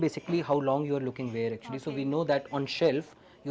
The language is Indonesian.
jadi kami tahu pengeluaran yang baru lebih bergabung dengan pengguna